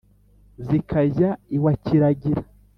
zikajya iwa kiragira.